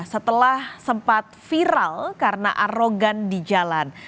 setelah sempat viral karena arogan di jalan